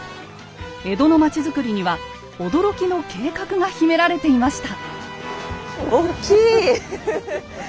江戸の町づくりには驚きの計画が秘められていました。